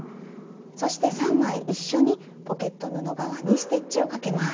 そして３枚一緒にポケット布側にステッチをかけます。